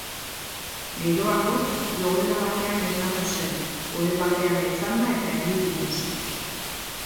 Geroago, logela batean esnatu zen, ohe batean etzanda eta erdi biluzik.